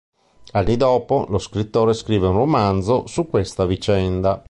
Anni dopo, lo scrittore scrive un romanzo su questa vicenda.